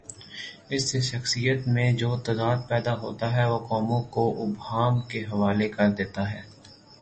اس سے شخصیت میں جو تضاد پیدا ہوتاہے، وہ قوموں کو ابہام کے حوالے کر دیتا ہے۔